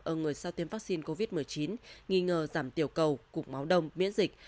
ở người sau tiêm vaccine covid một mươi chín nghi ngờ giảm tiểu cầu cục máu đông miễn dịch